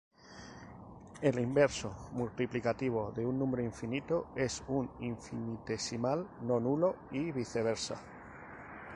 El inverso multiplicativo de un número infinito es un infinitesimal no nulo, y vice-versa.